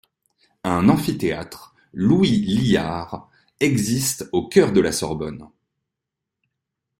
Un amphithéâtre Louis Liard existe au cœur de la Sorbonne.